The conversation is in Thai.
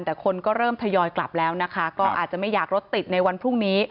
แต่คนก็เริ่มทยอยกลับแล้วนะคะก็อาจจะไม่อยากรถติดในวันพรุ่งนี้